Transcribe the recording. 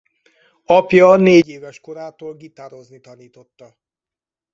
Apja négy éves korától gitározni tanította.